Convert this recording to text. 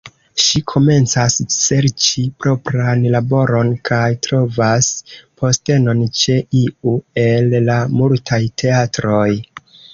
Ŝi komencas serĉi propran laboron kaj trovas postenon ĉe iu el la multaj teatroj.